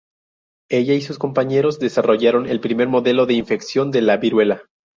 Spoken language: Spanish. Ella y sus compañeros desarrollaron el primer modelo de infección de la viruela.